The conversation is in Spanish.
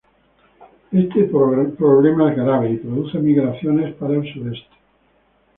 Ese problema es grave y produce migraciones para el Sudeste.